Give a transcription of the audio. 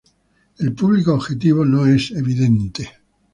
El público objetivo no es evidente.